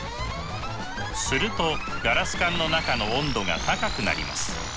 するとガラス管の中の温度が高くなります。